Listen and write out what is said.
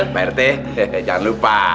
pak rt jangan lupa